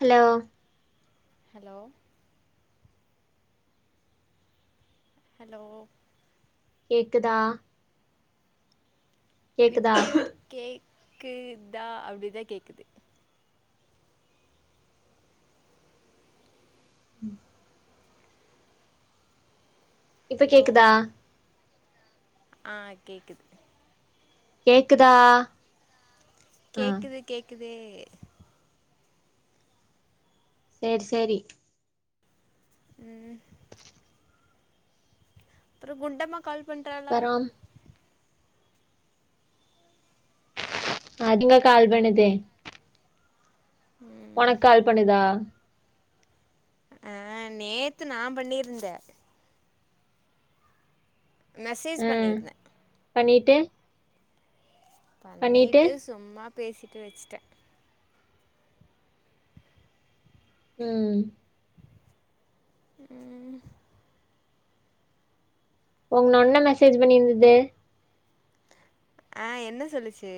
Hello hello hello கேக்குதா? கேக்குதா விட்டு விட்டு கே க்கு தா அப்டிதா கேக்குது. இப்ப ஹலோ கேக்குதா? ஆ கேக்குது. கேக்குதா? ஆ கேக்குது கேக்கு து சேரி சேரி ம் அப்புறோ குண்டம்மா கால் பண்றாளா? அப்பறோ அது எங்க கால் பண்ணுது? உனக்கு கால் பண்ணுதா? ஆ நேத்து நா பண்ணிருந்தே. மெசேஜ் ம் பண்ணியிருந்தே. பண்ணிட்டு பண்ணிட்டு சும்மா பேசிட்டு வச்சுட்டே. ம் ம் உங்னொண்ண மெசேஜ் பண்ணிருந்தது ஆ என்ன சொல்லுச்சு?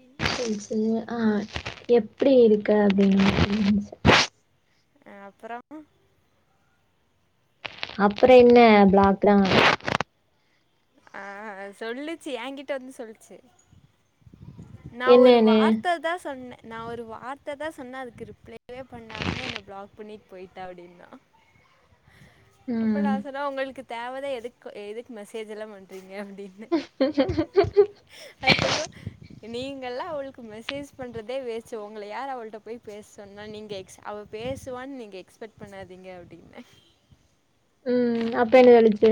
என்ன சொல்ச்சு? ஆ எப்டி இருக்கே அப்டின்னு [inaudible] ஆ அப்பறோ அப்புற என்ன பிளாக்தா. ஆ சொல்லுச்சு யாங்கிட்ட வந்து சொல்லுச்சு. நா ஒரு என்னன்னு வார்த்ததா சொன்னே நா ஒரு வார்த் ததா சொன்னே அதுக்கு ரிப்ளை யே பண்ணாம என்ன பிளாக் பண்ணிட்டு போயிட்டா அப்டின்னா. அப்ப ம் நா சொன்னே உங்களுக்கு தேவதா எதுக் எதுக்கு மெசே ஜல்லா பண்றீங் க அப்டின்னு அதுக்கப்றோ நீங்கல்லா அவளுக்கு மெசேஜ் பண்றதே வேஸ்ட்டு. உங்கள யார் அவள்ட்ட போய் பேச சொன்னா? நீங்க எக்ஸ் அவ பேசுவான்னு நீங்க எக்ஸ்பெக்ட் பண்ணாதீங்க அப்டின்னே. ம் அப்ப என்ன சொல்லுச்சு?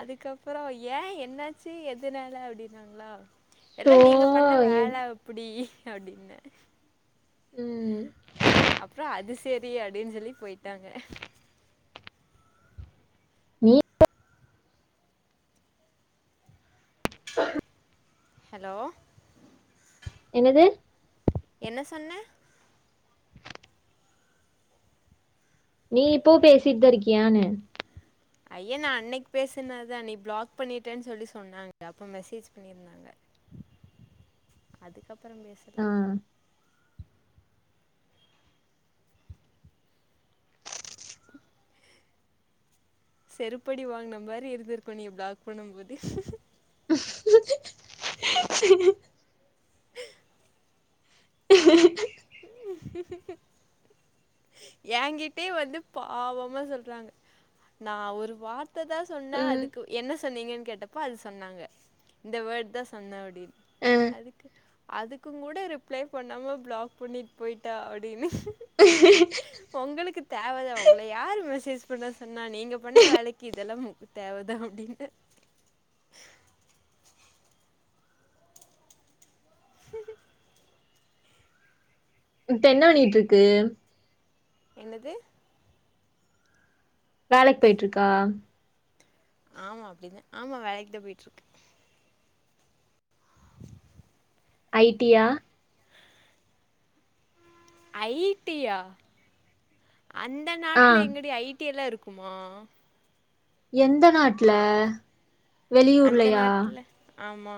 அதுக்கப்றோ ஏ என்னாச்சு எதுனால அப்டினாங்களா. சோ எல்லா நீங்க பண்ண வேல அப்பிடி அப்டின்னே. ம் அப்றோ அது செரி அப்டின்னு சொல்லி போயிட்டாங்க. நீ ஹலோ என்னது? என்ன சொன்ன? நீ இப்பவு பேசிட்டுதா இருக்கியான்னு. அயே நா அன்னைக்கி பேசுனதுதா நீ பிளாக் பண்ணிட்டேன்னு சொல்லி சொன்னாங்க. அப்ப மேசேஜ் பண்ணிருந்தாங்க. அதுக்கப் பறம் பேசல. ஆ செருப்படி வாங்குன மாரி இருந்திருக்கு நீ பிளாக் பண்ணும் போது. [inaudible] ஏங்கிட்டயே வந்து பாவமா சொல்றாங்க நா ஒரு வார்த் ததா சொன்ன ம், அதுக்கு என்ன சொன்னீங்கன்னு கேட்டப்ப அது சொன்னாங்க இந்த வேர்டுதா சொன்னே அப்டினு ஆ. அதுக்கு அதுக்குங்கூட ரிப்ளை பண்ணாம பிளாக் பண்ணிட் போயிட்டா அப்டின்னு உங்களுக்கு தேவதா உங்கள யாரு மெசேஜ் பண்ண சொன்னா? நீங்க பண்ண வேலக்கி இதல்லா உங்ளுக்கு தேவதா அப்டின்னே. உஹ இப்ப என்ன பண்ணிட்ருக்கு? என்னது? வேலைக்கி போயிட்ருக்கா? ஆமா அப்டினே ஆமா வேலைக்கிதா போயிட்ருக்கு. [inaudible] ஐ டி யா? ஐ டி யா அந்த ஆ நாட்ல எங்கடி ஐ ட்டி எல்லா இருக்குமா எந்த நாட்ல அந்த வெளியூர்லயா நாட்ல ஆமா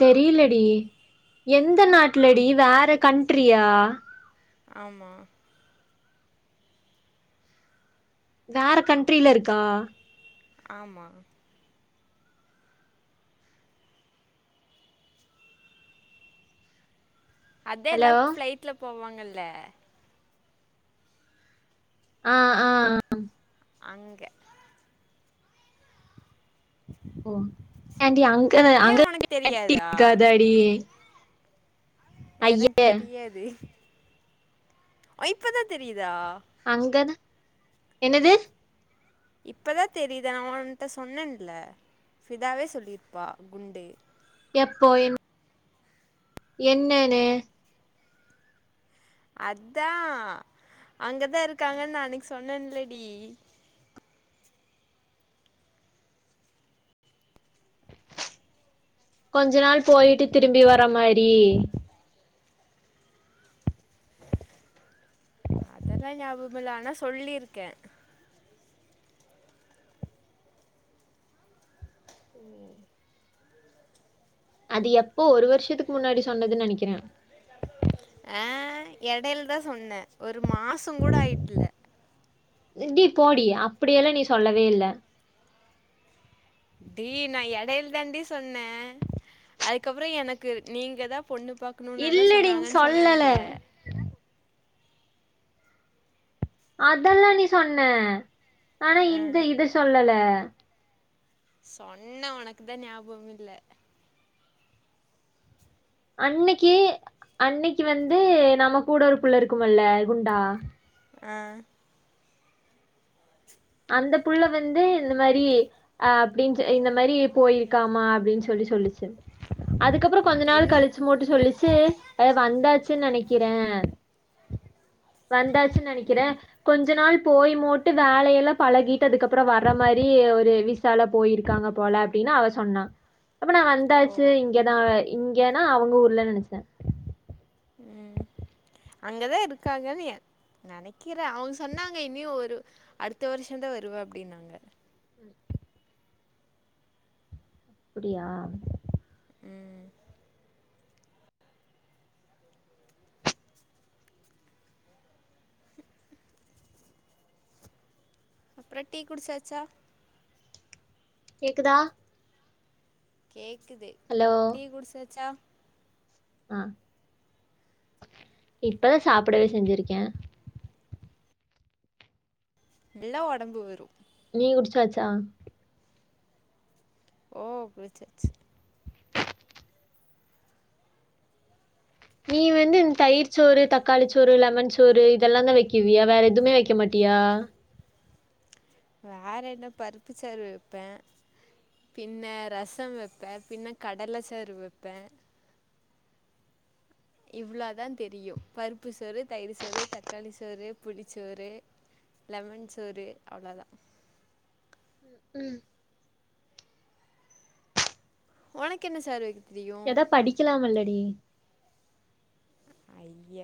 தெரிலடி எந்த நாட்லடி வேற கண்ட்ரியா ஆமா வேற கண்ட்ரில இருக்கா ஆமா அதே எல்லா ஹலோ ஃப்ளைட்ல போவாங் கல்ல ஆ ஆ ஆ அங்க ஓ ஏன்டி அங்கன ஏ உனக்கு தெரியாதா [inaudible] காதடி எனக்கு தெரியாது அ இப்பதா தெரியி அங்கன என்னது இப்பதா தெரியிதா நா ஓன்ட்ட சொன்னென்ல ஃபிதாவே சொல்லிருப்பா குண்டு போயின் என்னனு அத்தா அங்கதா இருகாங்கன் நா அன்னக்கி சொன்னென்லடி கொஞ்ச நாள் போயிட்டு திரும்பி வர மாரி அதெல்லா ஞாபமில்ல ஆனா சொல்லிருக்கே ம் அது எப்போ ஒரு வருஷத்துக் முன்னாடி சொன்னதுன் நெனக்கிறே ஆ எடைல தா சொன்ன ஒரு மாசங் கூட ஆயிட்டில்ல டி போடி அப்பிடியெல்லா நீ சொல்லவேயில்ல டீ நா எடைல தாண்டி சொன்னே அதுக்கப்றோ எனக்கு நீங்க தா பொண்ணு பாக்கணு நல்லா இல்லடி சொன்னாங்கன் சொல்லல சொன்னேன்ல அதல்லா நீ சொன்ன ஆனா ஆ இந்த இது சொல்லல சொன்ன ஒனக்குதா ஞாபமில்ல அன்னக்கி அன்னக்கி வந்து நம்ம கூட ஒரு புள்ள இருக்குமல்ல குண்டா அ அந்த புள்ள வந்து இந்த மாரி ஆ அப்டின் ச இந்த மாரி போயிருக்காமா அப்டின் சொல்லி சொல்லுச்சு அதுக்கப்ற ம் கொஞ்ச நாள் இன்னு கழிச்சு மட்டு சொல்லிச் சு ஆ வந்தாச்சுன் நெனக்கிறே வந்தாச்சுன் நனக்கிறே கொஞ்ச நாள் போய் மூட்டு வேலயல்லா பழகிட்டு அதுக்கப்றோ வர மாரி ஒரு விசால போயிருக்காங்க போல அப்டின்னு அவ சொன்னா. அப்ப நா ஓ வந்தாச்சு இங்கதா இங்கனா அவங்க ஊர்லனு நெனச்சே. உம் அங்கதா இருக்காங்கனு எ நெனைக்கிற அவங்க சொன்னாங்க இன்யு ஒரு அடுத்த வருஷந்தா வருவ அப்டினாங்க. அப்பிடியா ம் அப்பறோ டீ குடிச்சாச்சா? கேக்குதா? கேக் குது ஹலோ. டீ குடிச்சாச்சா? ஆ இப்பதா சாப்படவே செஞ்சிருக்கே. நல்லா ஒடம்பு வரு. நீ குடிச்சாச்சா? ஓ குடிச்சாச்சு. நீ வந்து இந்த தயிர் சோறு தக்காளி சோறு லெமன் சோறு இதெல்லாந்தா வெக்குவியா வேற எதுமே வெக்க மாட்டியா? வேற என்ன பருப்பு சோறு வப்பே பின்ன ரசோ வப்பே பின்ன கடல சோறு வப்பே இவ்ளாதா தெரியு பருப்பு சோறு தயிர் சோறு தக்காளி சோறு புளி சோறு லெமன் சோறு அவ்ளவுதா ம் உனக்கு என்ன சோறு வக்கிறது ஏதா படிக்கலாமல்லடி? ஐய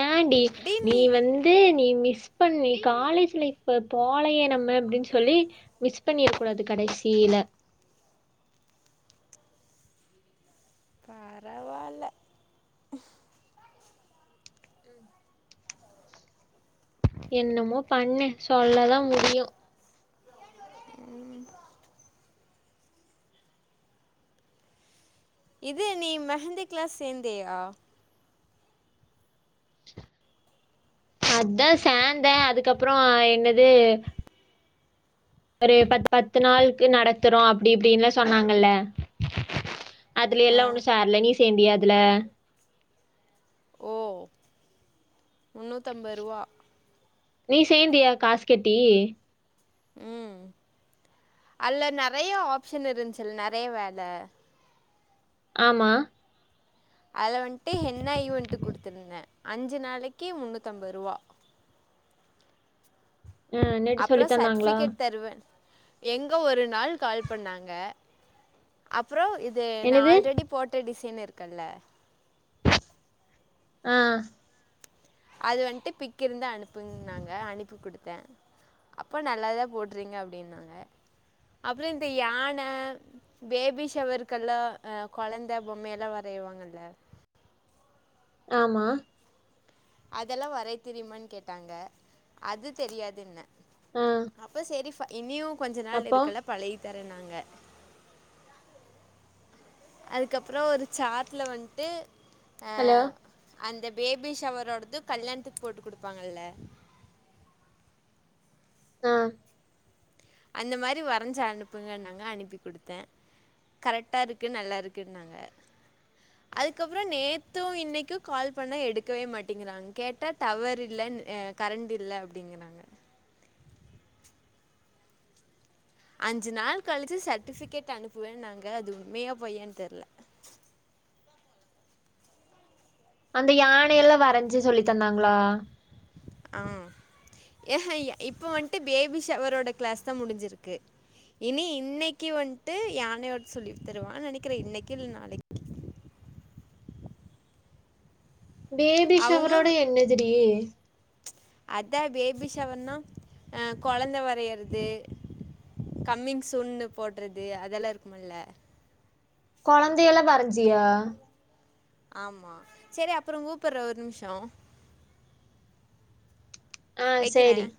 ஏண்டி நீ வந்து நீ மிஸ் மிஸ் பண்ணி காலேஜ் லைஃபே போலயே நம்ம அப்டின்னு சொல்லி மிஸ் பண்ணிற கூடாது கடைசியில. பரவால்ல. என்னமோ பண்ணு சொல்லதா முடியு. ம் இது நீ மெஹந்திக்லா சேந்தயா? அதா சேந்த அதுக்கப்புறோ என்னது ஒரு பத் பத்து நாளுக்கு நடத்துறோ அப்டி இப்டினுலா சொன்னாங்கல்ல அதுல ஆ எல்லா ஒண்ணு சேர்ல நீ சேந்தியா அ துல? ஓ முந்நூத்தம்பது ரூவா. நீ சேந்தியா காஸ் கட்டி? ம் அதுல நெறைய ஆப்ஷன் இருந்துச்சுல்ல நெறைய வேல? ஆமா. அதல வன்ட்டு ஹென்னா ஈவண்ட் குடுத்துருந்தே. அஞ்சு நாளைக்கி முந்நூத்தம்பது ருவா. ஆ நெட்டு சொல்லித் தந்தாங்களா? எங்க ஒரு நாள் கால் பண்ணாங்க அ ப்றோ இது நான் என்னது ஆல்ரெடி போட்ட டிசைனு இருக்கல்ல ஆ அது வன்ட்டு பி்க் இருந்தா அனுப்புங்னாங்க அனுப்பி குடுத்தே. அப்போ நல்லாதா போடுறீங்க அப்டின்னாங்க. அப்புறோ இந்த யான பேபி ஷவருக்கெல்லா ஆ கொழந்த பொம்மயெல்லா வரைவாங்கல்ல ஆமா அதெல்லாம் வரை தெரியுமானு கேட்டாங்க அது தெரியாதுன ஆ அப்ப சேரி பா இனியும் கொஞ்ச நாள் அப்போ இருக்கல பழைய தர நாங்க அதுக்கப்பறம் ஒரு சாட்டுல வன்ட்டு ஹலோ ஆஹ் அந்த பேபி ஷவரோடது கல்யாணத்துக்கு போட்டு கொடுப்பாங்கல்ல ஆஹ் அந்த மாரி வரைஞ்சு அனுப்புங்க நாங்க அனுப்பி கொடுத்தேன் கரெக்டா இருக்கு நல்லா இருக்குன்னு நாங்க அதுக்கப்பறம் நேத்தும் இன்னைக்கும் கால் பண்ண எடுக்கவே மாட்டேங்கிறாங்க கேட்டா டவர் இல்ல கரண்ட் இல்ல அப்படிங்கறாங்க அஞ்சு நாள் கழிச்சு சர்ட்டிபிகேட் அனுப்புவேன்னு நாங்க அது உண்மையா பொய்யான்னு தெரியல அந்த யானையெல்லாம் வரைஞ்சு சொல்லி தந்தாங்களா ஆஹ் ஏஹ் இப்ப வந்துட்டு பேபி ஷவரோட கிளாஸ் தான் முடிஞ்சிருக்கு இனி இன்னைக்கு வந்துட்டு யானையோட சொல்லி தருவான் நினைக்கிறேன் இன்னைக்கு இல்ல நாளைக்கு பேபிஷவரோட அவங்களும் என்னது டி அதான் பேபிஷவர்னா அஹ் குழந்தை வரையறது கம்மமிங் சுண்ணு போடுறது அதெல்லாம் இருக்கும்ல குழந்தையல்ல வரஞ்சியா ஆமா சேரி அப்பறம் கூப்பிடுற ஒரு நிமிஷம் ஆஹ் சேரி வைக்கிறேன்